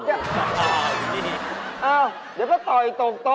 เอ้อเดี๋ยวก็ต่อยตก